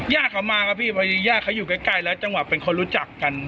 ยาก็มาก็พี่พอย่าก็อยู่ใกล้แล้วจังหวัดเป็นคนรู้จักกัน